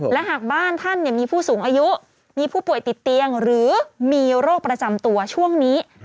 และหากบ้านท่านมีผู้สูงอายุมีผู้ป่วยติดเตียงหรือมีโรคประจำตัวช่วงนี้